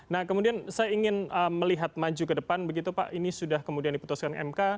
nah kemudian saya ingin melihat maju ke depan begitu pak ini sudah kemudian diputuskan mk